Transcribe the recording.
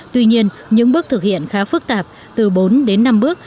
tuy nhiên những bước thực hiện khá phức tạp từ bốn đến năm bước